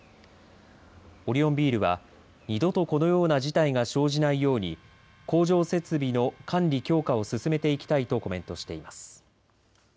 オリオンビールは二度とこのような事態が生じないように工場設備の管理強化を進めていきたいとコメントしています。